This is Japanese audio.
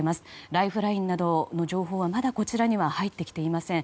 ライフラインなどの情報はまだこちらには入ってきていません。